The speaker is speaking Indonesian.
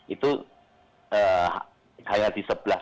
itu hanya disebutkan